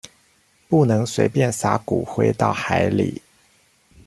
不能隨便灑骨灰到海裡